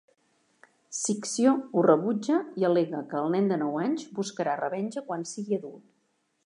Ciccio ho rebutja i al·lega que el nen de nou anys buscarà revenja quan sigui adult.